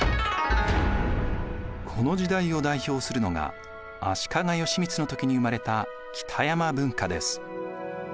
この時代を代表するのが足利義満の時に生まれた北山文化です。